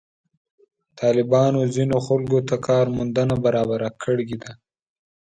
طالبانو ځینو خلکو ته کار موندنه برابره کړې.